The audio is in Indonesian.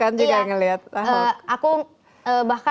aku bahkan sampai ngajak pak ahok